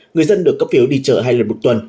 người dân được cấp phiếu đi chợ hai lần một tuần